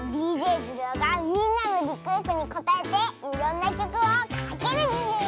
ＤＪズルオがみんなのリクエストにこたえていろんなきょくをかけるズル。